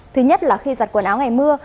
thứ nhất là khi giặt quần áo ngày mưa